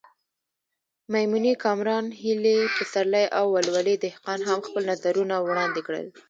میمونې کامران، هیلې پسرلی او ولولې دهقان هم خپل نظرونه وړاندې کړل.